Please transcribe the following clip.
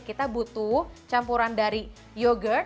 kita butuh campuran dari yogurt